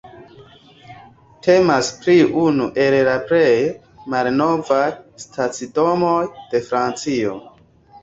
Temas pri unu el la plej malnovaj stacidomoj de Francio.